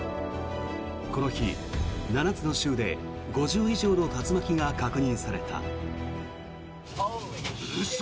この日、７つの州で５０以上の竜巻が確認された。